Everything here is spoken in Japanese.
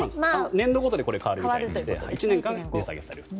年度ごとに変わりまして１年間値下げされると。